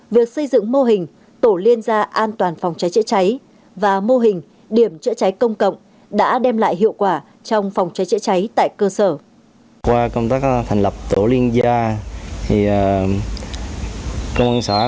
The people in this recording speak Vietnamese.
việc xây dựng mô hình tổ liên gia an toàn phòng cháy chữa cháy và mô hình điểm chữa cháy công cộng đã đem lại hiệu quả trong phòng cháy chữa cháy tại cơ sở